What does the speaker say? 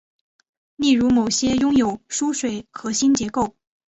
例如某些拥有疏水核心结构。